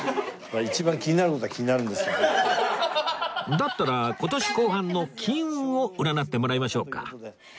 だったら今年後半の金運を占ってもらいましょうか